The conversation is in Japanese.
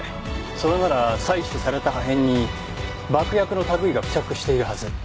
それなら採取された破片に爆薬の類いが付着しているはず。